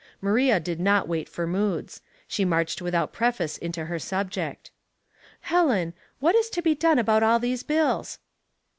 Maria did not wait for moods; she marched without preface into her subject. *' Helen, what is to be done about all these bills?"